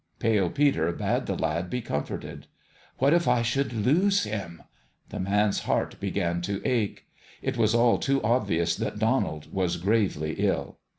Pale Peter bade the lad be comforted. What if I should lose him? The man's heart began to ache. It was all too ob vious that Donald was gravely ill.